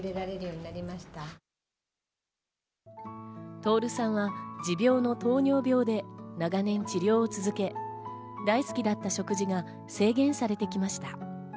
徹さんは持病の糖尿病で長年、治療を続け、大好きだった食事が制限されてきました。